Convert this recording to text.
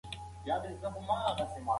که بلنه وي نو مېلمه نه پاتې کیږي.